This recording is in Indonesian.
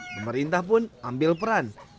pemerintah pun ambil peran